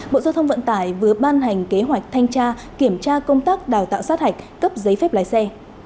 bộ giao thông vận tải vừa ban hành kế hoạch thanh tra kiểm tra công tác đào tạo sát hạch cấp giấy phép lái xe